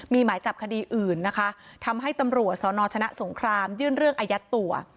มีหมายจับคดีอื่นนะคะทำให้ตำรวจสนชนะสงครามยื่นเรื่องอายัดตัว